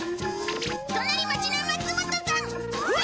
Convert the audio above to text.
隣町の松本さんほい！